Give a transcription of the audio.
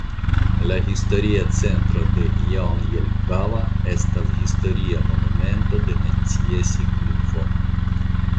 La historia centro de Jaunjelgava estas historia monumento de nacia signifo.